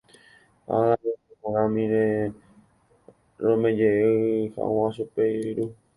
Ág̃a roimeporãmi rire rome'ẽjey hag̃ua chupe iviru.